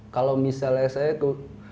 kalau misalnya saya tuh